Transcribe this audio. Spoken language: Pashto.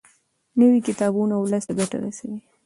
نوي کتابونه ولس ته ګټه رسوي.